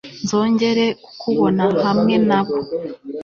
nzongere kukubona hamwe na bo